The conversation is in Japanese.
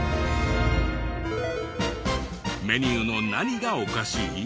メニューの何がおかしい？